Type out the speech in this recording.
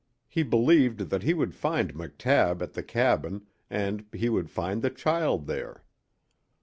He believed that he would find McTabb at the cabin and he would find the child there.